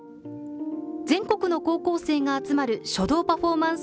全国の高校生が集まる書道パフォーマンス